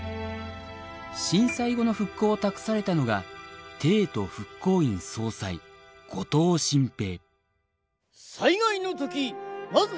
震災後の復興を託されたのが帝都復興院総裁後藤新平。